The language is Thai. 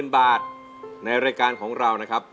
๐บาทในรายการของเรานะครับ